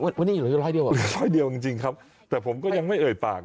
วันนี้เหลือร้อยเดียวเหรอร้อยเดียวจริงครับแต่ผมก็ยังไม่เอ่ยปาก